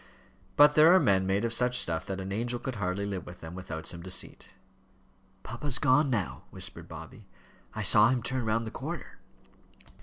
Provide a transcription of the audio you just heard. But there are men made of such stuff that an angel could hardly live with them without some deceit. "Papa's gone now," whispered Bobby; "I saw him turn round the corner."